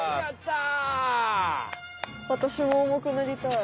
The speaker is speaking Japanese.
わたしも重くなりたい。